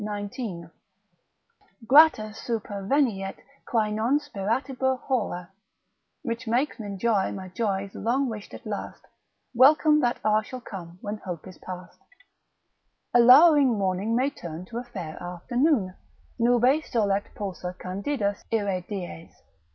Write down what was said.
Grata superveniet quae non sperabitur hora: Which makes m'enjoy my joys long wish'd at last, Welcome that hour shall come when hope is past: a lowering morning may turn to a fair afternoon, Nube solet pulsa candidus ire dies.